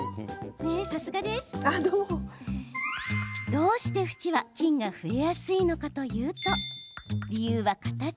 どうして縁は菌が増えやすいのかというと理由は形。